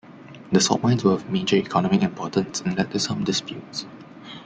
The salt mines were of major economic importance and led to some disputes.